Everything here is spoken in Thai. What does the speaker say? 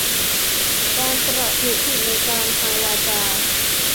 การประพฤติผิดในกาม ทางวาจา